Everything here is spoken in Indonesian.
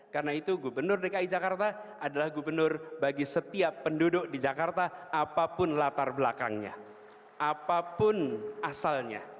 karena itu gubernur dki jakarta adalah gubernur bagi setiap penduduk di jakarta apapun latar belakangnya apapun asalnya